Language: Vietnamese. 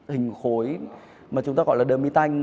hình khối mà chúng ta gọi là đơm y tanh